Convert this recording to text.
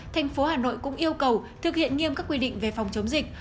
tp hà nội cũng yêu cầu thực hiện nghiêm các quy định về phòng chống dịch